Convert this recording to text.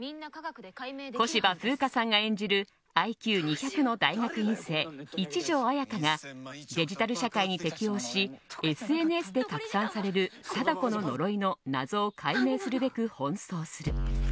小芝風花さんが演じるＩＱ２００の大学院生一条文華がデジタル社会に適応しＳＮＳで拡散される貞子の呪いの謎を解明するべく奔走する。